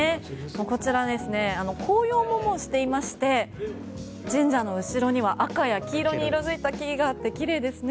こちら、紅葉ももうしていまして神社の後ろには赤や黄色に色付いた木々があって奇麗ですね。